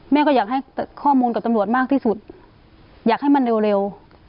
แม่ก็อยากให้ข้อมูลกับตำรวจมากที่สุดอยากให้มันเร็ว